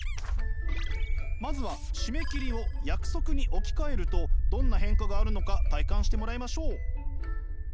まずは締め切りを約束に置き換えるとどんな変化があるのか体感してもらいましょう。